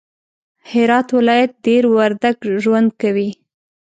هرات ولایت کی دیر وردگ ژوند کوی